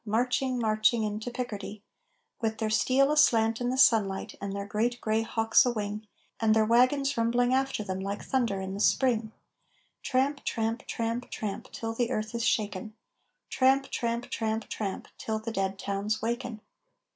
Marching, marching into Picardy With their steel aslant in the sunlight and their great gray hawks a wing And their wagons rumbling after them like thunder in the Spring Tramp, tramp, tramp, tramp Till the earth is shaken Tramp, tramp, tramp, tramp Till the dead towns waken!